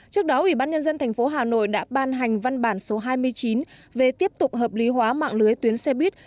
trước đó ủy ban nhân dân tp hà nội đã ban hành văn bản số hai mươi chín về tiếp tục hợp lý hóa mạng lưới tuyến xe buýt